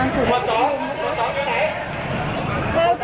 สวัสดีครับ